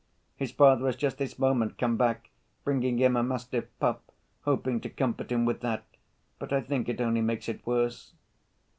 His father has just this moment come back, bringing him a mastiff pup, hoping to comfort him with that; but I think it only makes it worse."